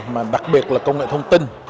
mà đặc biệt là công nghệ thông tin